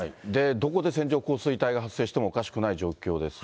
どこで線状降水帯が発生してもおかしくない状況ですね。